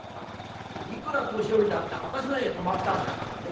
いくら年寄りだって私の家へ泊まったんだからね